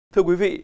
thưa quý vị